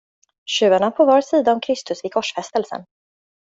Tjuvarna på var sida om kristus vid korsfästelsen.